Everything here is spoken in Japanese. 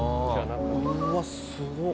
うわすごっ！